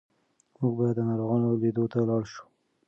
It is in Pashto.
موږ باید د ناروغانو لیدو ته لاړ شو.